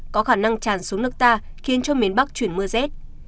có khả năng tràn xuống nước ta khiến cho miền bắc chuyển mưa rét